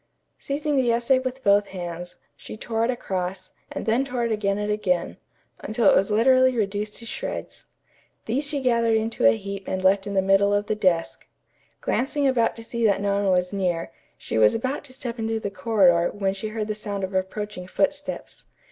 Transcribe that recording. Seizing the essay with both hands, she tore it across, and then tore it again and again, until it was literally reduced to shreds. These she gathered into a heap and left in the middle of the desk. Glancing about to see that no one was near, she was about to step into the corridor when she heard the sound of approaching footsteps.